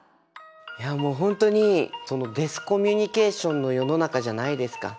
いやもう本当にディスコミュニケーションの世の中じゃないですか。